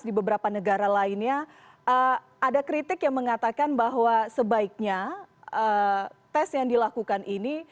di beberapa negara lainnya ada kritik yang mengatakan bahwa sebaiknya tes yang dilakukan ini